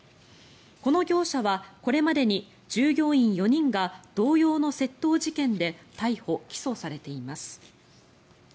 この業者はこれまでに従業員４人が同様の窃盗事件で逮捕・起訴されています。